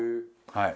はい。